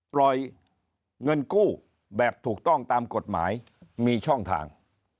ปล่อยเงินกู้แบบถูกต้องตามกฎหมายมีช่องทาง